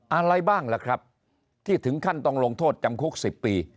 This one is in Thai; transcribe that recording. อะไรบ้างล่ะครับที่ถึงขั้นต้องลงโทษจำคุก๑๐ปี